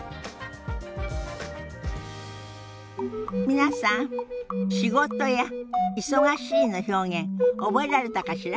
皆さん「仕事」や「忙しい」の表現覚えられたかしら。